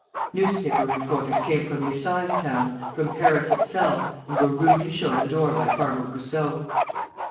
Newspaper reporters came from the assize town, from Paris itself, and were rudely shown the door by Farmer Goussot.